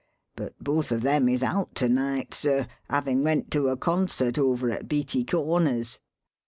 But both of them is out to night, sir havin' went to a concert over at Beattie Corners.